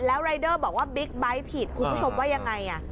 แล้วรายเดอร์บอกว่าบิ๊กไบท์ผิดคุณผู้ชมว่ายังไง